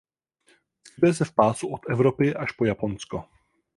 Vyskytuje se v pásu od Evropy až po Japonsko.